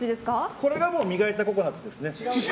これが磨いたココナツですね。